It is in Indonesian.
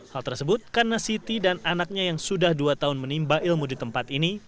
hal tersebut karena siti dan anaknya yang sudah dua tahun menimba ilmu di tempat ini